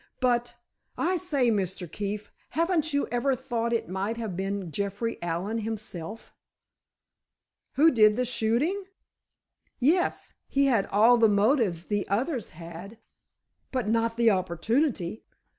"But, I say, Mr. Keefe, haven't you ever thought it might have been Jeffrey Allen himself?" "Who did the shooting?" "Yes; he had all the motives the others had——" "But not opportunity.